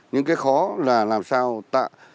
nhưng cái khó là làm sao tạo